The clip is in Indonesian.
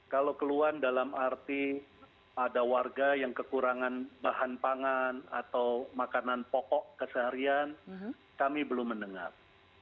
kalau keluhan dalam arti ada warga yang kekurangan bahan pangan atau makanan pokok keseharian kami belum mendengar